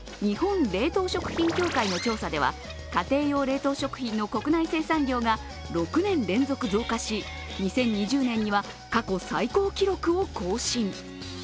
日本冷凍食品協会の調査では家庭用冷凍食品の国内生産量が６年連続増加し、２０２０年には過去最高記録を更新。